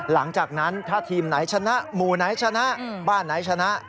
หลังจากนั้นถ้าทีมไหนชนะหมู่ไหนชนะบ้านไหนชนะ